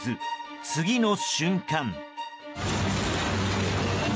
次の瞬間。